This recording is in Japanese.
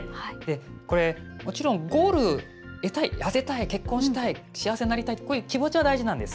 もちろんゴールやせたい、結婚したい幸せになりたいっていう気持ち大事なんです。